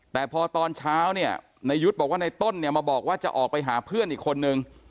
แต่พอตอนเช้าเนี่ยนายยุทธ์บอกว่าในต้นเนี่ยมาบอกว่าจะออกไปหาเพื่อนอีกคนนึง